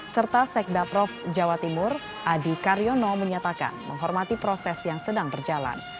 serta sekda prof jawa timur adi karyono menyatakan menghormati proses yang sedang berjalan